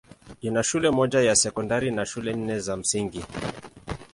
Ina shule moja ya sekondari na shule nne za msingi.